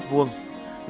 tới thời nhà nguyễn